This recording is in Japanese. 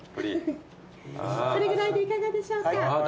これぐらいでいかがでしょうか？